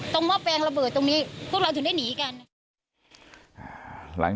ตรงตะโกงและราเปียสติลวังที่ถึงได้หนีกัน